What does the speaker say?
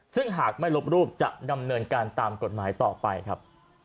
ซึ่งหากไม่ลบรูปจะดำเนินการตามกฎหมายต่อไปครับ